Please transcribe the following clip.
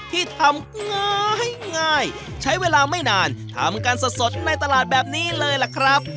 ที่ทำง้อให้ง่ายใช้เวลาไม่นานทำกันสดในตลาดแบบนี้เลยล่ะครับ